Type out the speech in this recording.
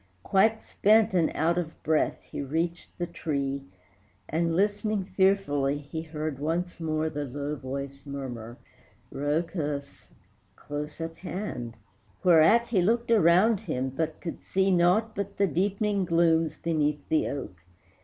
Quite spent and out of breath he reached the tree, And, listening fearfully, he heard once more The low voice murmur "Rhœcus!" close at hand: Whereat he looked around him, but could see Naught but the deepening glooms beneath the oak.